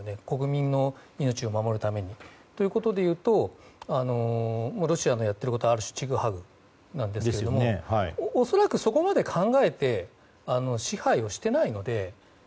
国民の命を守るために。ということでいうとロシアのやっていることはある種、ちぐはぐなんですけども恐らく、そこまで考えて支配をしていないので。